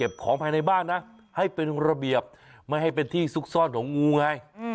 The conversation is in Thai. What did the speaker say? ของภายในบ้านนะให้เป็นระเบียบไม่ให้เป็นที่ซุกซ่อนของงูไง